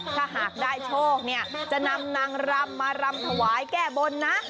ถ้าหากได้โชคเนี่ยจะนำนางรำมารำถวายแก้บนนะ